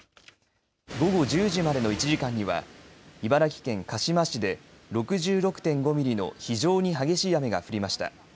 午後１０時までの１時間には茨城県鹿嶋市で６６．５ミリの非常に激しい雨が降りました。